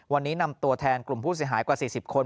วันนี้นำตัวแทนกลุ่มผู้เสียหายกว่า๔๐คน